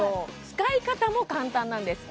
使い方も簡単なんです